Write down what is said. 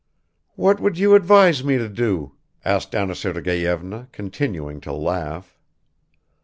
"What would you advise me to do?" asked Anna Sergeyevna, continuing to laugh.